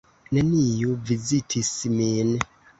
Neniu vizitis min.